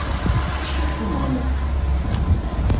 Ttkel ɣef Umeɣlal!